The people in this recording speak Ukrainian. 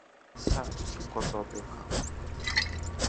— Сядь, козо дика.